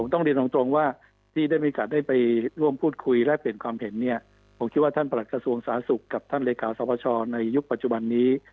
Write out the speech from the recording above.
ตรงว่าที่ได้มีการไปร่วมพูดคุยและเปลี่ยนความเห็นเนี่ยผมคิดว่าท่านปรักษ์กระทรวงสาธารณสุขกับท่านเรคาสวชาติในยุคปัจจุบันนี้